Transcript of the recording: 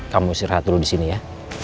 kamu istirahat dulu disini ya